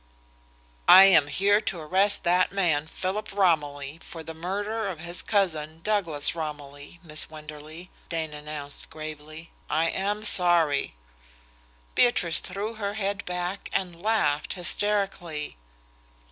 "I am here to arrest that man, Philip Romilly, for the murder of his cousin, Douglas Romilly, Miss Wenderley," Dane announced gravely. "I am sorry." Beatrice threw her head back and laughed hysterically.